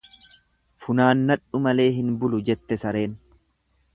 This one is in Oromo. Funaannadhu malee hin bulu, jette sareen.